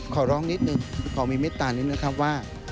ขอร้องนิดนึงขอมีเมตตานิดนึงนะครับว่า